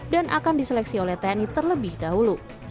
dan akan diseleksi oleh tni terlebih dahulu